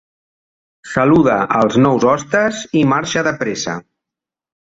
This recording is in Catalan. Saluda els nous hostes i marxa de pressa.